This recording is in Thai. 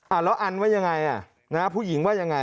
แล้วอันว่ายังไงอ่ะนะฮะผู้หญิงว่ายังไง